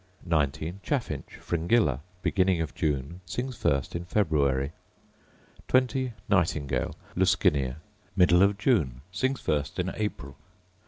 19. Chaffinch, Fringilla: Beginning of June: sings first in February. 20. Nightingale, Luscinia: Middle of June: sings first in April.